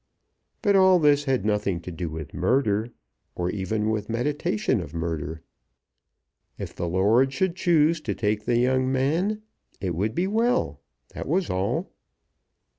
But all this had nothing to do with murder, or even with meditation of murder. If the Lord should choose to take the young man it would be well; that was all.